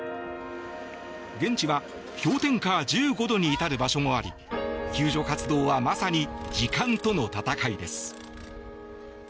現地は氷点下１５度に至る場所もあり救助活動はまさに時間との戦いです。